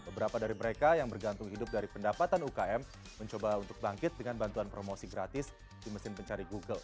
beberapa dari mereka yang bergantung hidup dari pendapatan ukm mencoba untuk bangkit dengan bantuan promosi gratis di mesin pencari google